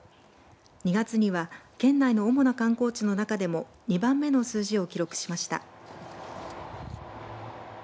２月には県内の主な観光地の中でも２番目の数字を記録しました。